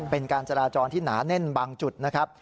เป็นการจราจรที่หนาแน่นบางจุดนะครับ